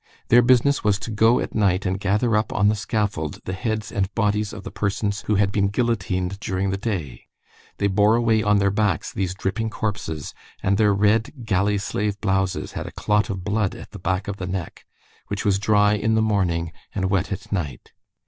Their business was to go at night and gather up on the scaffold the heads and bodies of the persons who had been guillotined during the day; they bore away on their backs these dripping corpses, and their red galley slave blouses had a clot of blood at the back of the neck, which was dry in the morning and wet at night.